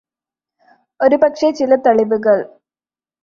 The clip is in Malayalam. ഒരു പക്ഷേ ചില തെളിവുകള്